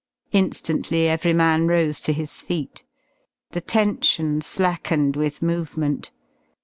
Instantly every man rose to his feet. The tension slackened with movement.